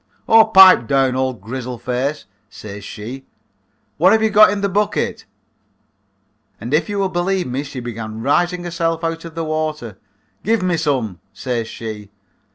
"'Aw, pipe down, old grizzle face,' says she; 'wot have you got in the bucket?' And if you will believe me she began raising herself out of the water. 'Give me some,' says she.